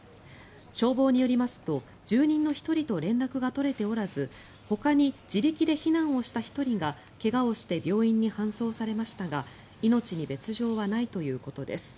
消防によりますと住人の１人と連絡が取れておらずほかに自力で避難をした１人が怪我をして病院に搬送されましたが命に別条はないということです。